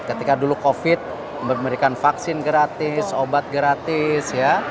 ketika dulu covid memberikan vaksin gratis obat gratis ya